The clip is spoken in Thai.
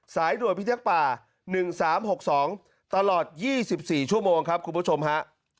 สายด่วนพิทักษ์ป่า๑๓๖๒ตลอด๒๔ชั่วโมงครับคุณผู้ชมฮะ